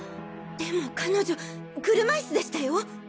でも彼女車イスでしたよ。